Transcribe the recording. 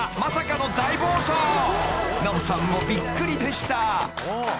［奈緒さんもびっくりでした］